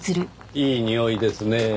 いいにおいですねぇ。